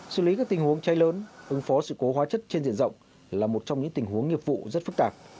xử lý các tình huống cháy lớn ứng phó sự cố hóa chất trên diện rộng là một trong những tình huống nghiệp vụ rất phức tạp